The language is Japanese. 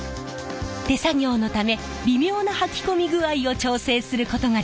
手作業のため微妙なはき込み具合を調整することができるんです。